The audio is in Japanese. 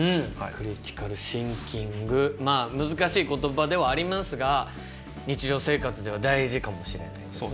クリティカル・シンキングまあ難しい言葉ではありますが日常生活では大事かもしれないですね。